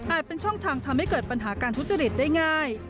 เป็นช่องทางทำให้เกิดปัญหาการทุจริตได้ง่าย